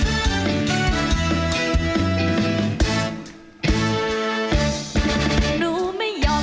จนย้องมาจับมาจูบมาก่อน